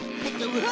うわ！